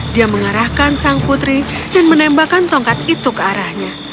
dia mengarahkan sang putri dan menembakkan tongkat itu ke arahnya